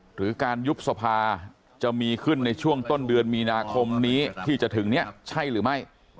หรือการยุบสภาจะมีขึ้นในช่วงต้นเดือนมีนาคมนี้ที่จะถึงเนี่ยใช่หรือไม่